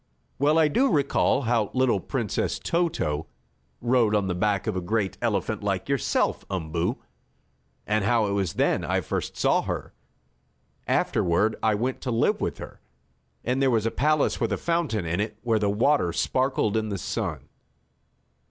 "Well do I recall how little Princess Toto rode on the back of a great elephant like yourself, Umboo, and how it was then I first saw her. Afterward I went to live with her, and there was a palace, with a fountain in it where the water sparkled in the sun."